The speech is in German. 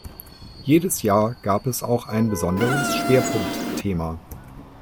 Jedes Jahr gab es auch ein besonderes Schwerpunktthema.